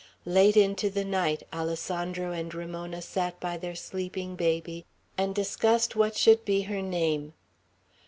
Late into the night, Alessandro and Ramona sat by their sleeping baby and discussed what should be her name.